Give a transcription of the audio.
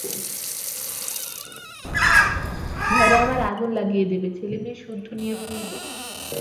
ঘরে আমার আগুন লাগিয়ে দেবে, ছেলেমেয়ে-সুদ্ধু নিয়ে পুড়ব।